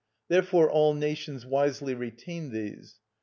Therefore all nations wisely retain these.